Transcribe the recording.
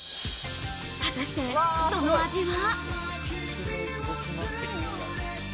果たして、その味は。